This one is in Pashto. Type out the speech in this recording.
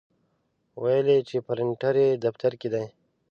ویل یې چې پرنټر یې دفتر کې دی.